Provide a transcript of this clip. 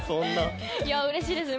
うれしいですね